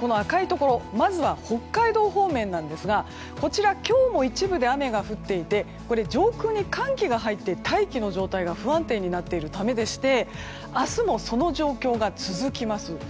この赤いところまずは北海道方面なんですがこちら、今日も一部で雨が降っていて上空に寒気が入っていて大気の状態が不安定になっているためで明日も、その状況が続きます。